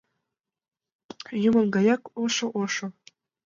Юмын гаяк — ошо-ошо.